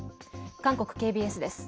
韓国ＫＢＳです。